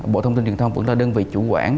bộ thông tin truyền thông vẫn là đơn vị chủ quản